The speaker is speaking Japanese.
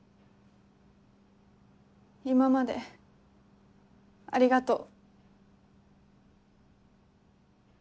今までありがとう。